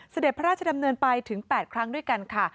เสด็จพระราชดำเนินไปถึง๘ครั้งด้วยกันค่ะ